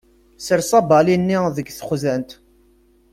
Sers abali-nni deg texzant.